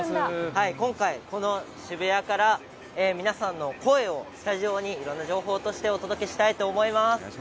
今回、この渋谷から皆さんの声をスタジオに情報としてお届けしたいと思います。